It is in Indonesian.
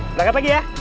berangkat lagi ya